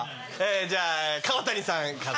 じゃあ川谷さん家族。